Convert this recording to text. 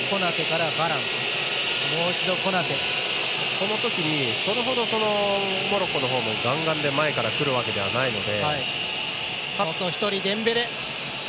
この時にそれほどモロッコの方もガンガン、前からくるわけじゃないので。